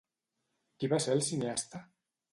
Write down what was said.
Qui va ser el cineasta?